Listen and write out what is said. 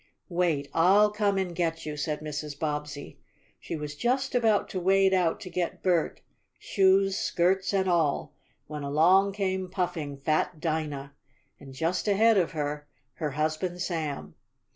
"Wait! I'll come and get you," said Mrs. Bobbsey. She was just about to wade out to get Bert, shoes, skirts and all, when along came puffing, fat Dinah, and, just ahead of her, her husband, Sam.